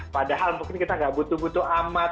padahal mungkin kita nggak butuh butuh amat